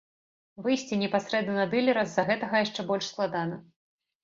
Выйсці непасрэдна на дылера з-за гэтага яшчэ больш складана.